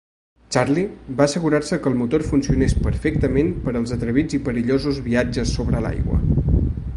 Charlie va assegurar-se que el motor funcionés perfectament per als atrevits i perillosos viatges sobre l'aigua.